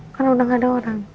karena udah gak ada orang